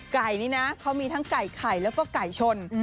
ไก่นี้นะเขามีทั้งไก่ไข่แล้วก็ไก่ชน